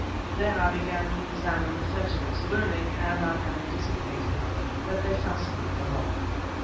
Then I began to examine the fetters, learning, as I had anticipated, that they fastened with a lock.